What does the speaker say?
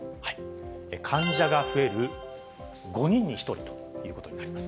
患者が増える、５人に１人ということになります。